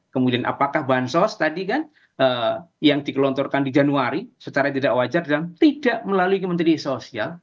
kemudian apakah bansos tadi kan yang dikelontorkan di januari secara tidak wajar dan tidak melalui kementerian sosial